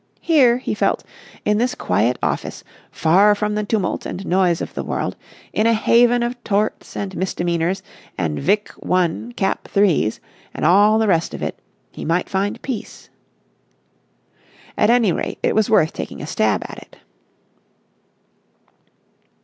Here, he felt, in this quiet office, far from the tumult and noise of the world, in a haven of torts and misdemeanours and Vic. I. cap. 3's, and all the rest of it, he might find peace. At any rate, it was worth taking a stab at it.